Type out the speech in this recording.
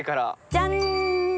じゃん！